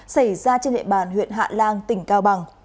xảy ra trên hệ bàn huyện hạ lan tỉnh cao bằng